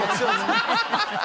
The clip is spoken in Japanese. ハハハハハ！